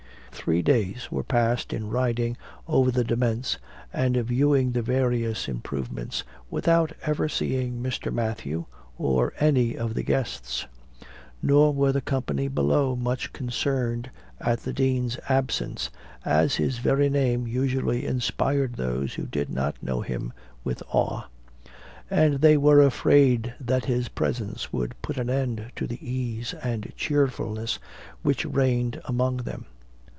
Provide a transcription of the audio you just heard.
Three days were passed in riding over the demesne, and viewing the various improvements, without ever seeing Mr. Mathew, or any of the guests; nor were the company below much concerned at the dean's absence, as his very name usually inspired those who did not know him, with awe; and they were afraid that his presence would put an end to the ease and cheerfulness which reigned among them.